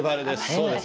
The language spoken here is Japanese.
そうです。